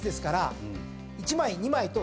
１枚２枚と。